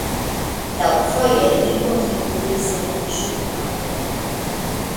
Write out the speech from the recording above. Kelkfoje li kontribuis en ĵurnaloj.